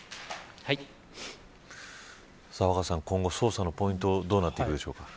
若狭さん、今後捜査のポイントどうなっていくでしょうか。